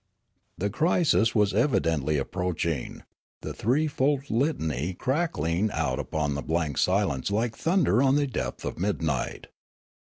A crisis was evidently approaching, the threefold lit any crackling out upon the blank silence like thunder on the depth of midnight.